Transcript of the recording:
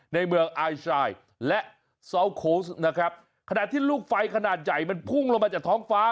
ในเมืองไอสรายและซอลโคสนะครับขณะที่ลูกไฟขนาดใหญ่มันพุ่งลงมาจากท้องฟ้า